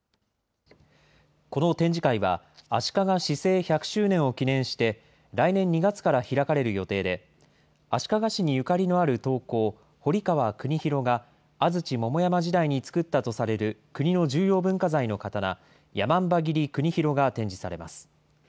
この展示会は、足利市制１００周年を記念して、来年２月から開かれる予定で、足利市にゆかりのある刀工、堀川国広が、安土桃山時代に作ったとされる国の重要文化財の刀、山姥切国広が展示されます。